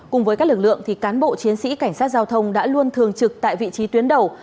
cùng với các lực lượng cán bộ chiến sĩ cảnh sát giao thông đã luôn thường trực tại vị trí tuyến đầu